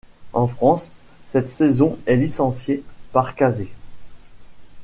En France, cette saison est licenciée par Kazé.